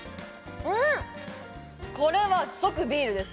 これは即ビールです。